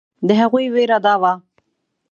د هغوی وېره دا وه.